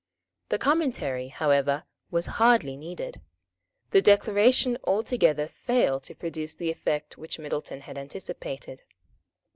The commentary, however, was hardly needed. The Declaration altogether failed to produce the effect which Middleton had anticipated.